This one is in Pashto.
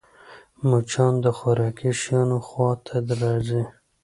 مچان د خوراکي شيانو خوا ته راځي